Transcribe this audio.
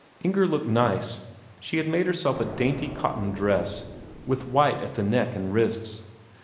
Inger looked nice; she had made herself a dainty cotton dress, with white at the neck and wrists.